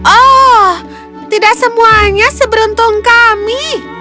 oh tidak semuanya seberuntung kami